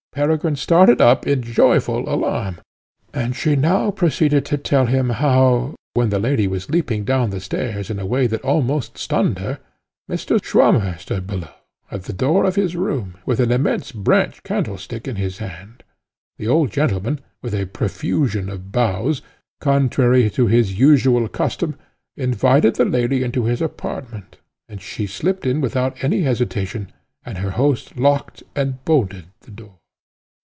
Peregrine started up in joyful alarm; and she now proceeded to tell him how, when the lady was leaping down the stairs in a way that almost stunned her, Mr. Swammer stood below, at the door of his room, with an immense branch candlestick in his hand. The old gentleman, with a profusion of bows, contrary to his usual custom, invited the lady into his apartment, and she slipt in without any hesitation, and her host locked and bolted the door.